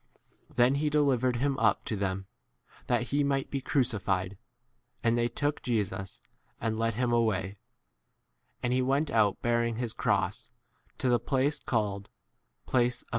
Then he delivered him up to them, that he might be crucified; and they took Jesus and led him away. W And he went out bearing his cross, to the place called [place] of a cify.' r Many add ' him.' a T. R.